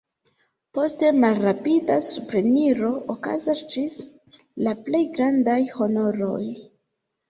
Poste, malrapida supreniro okazas ĝis la plej grandaj honoroj.